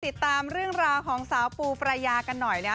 ติดตามเรื่องราวของสาวปูปรายากันหน่อยนะ